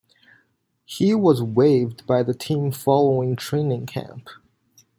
He was waived by the team following training camp.